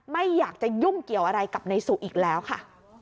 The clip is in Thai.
ไม่อยากจะยุ่งเกี่ยวอะไรกับนายสุอีกแล้วค่ะ